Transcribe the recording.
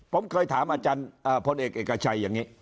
ผมเคยถามอาจารย์พลเอกเอกชัยอย่างนี้